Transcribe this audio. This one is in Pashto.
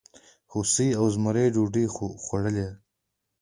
هوسۍ او زمري ډوډۍ خوړلې؟